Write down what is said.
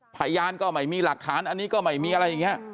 พยานก็ไม่มีหลักฐานอันนี้ก็ไม่มีอะไรอย่างนี้